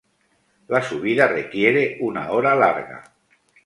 La subida requiere una hora larga.